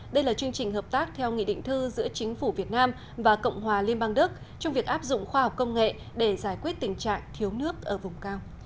đây là chương trình hợp tác theo nghị định thư giữa chính phủ việt nam và cộng hòa liên bang đức trong việc áp dụng khoa học công nghệ để giải quyết tình trạng thiếu nước ở vùng cao